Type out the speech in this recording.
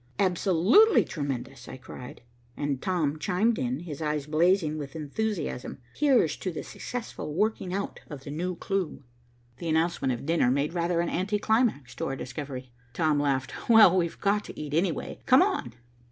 "Absolutely tremendous," I cried, and Tom chimed in, his eyes blazing with enthusiasm. "Here's to the successful working out of the new clue." The announcement of dinner made rather an anti climax to our discovery. Tom laughed "Well, we've got to eat, anyway. Come on."